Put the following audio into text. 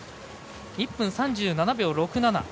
１分３７秒６７。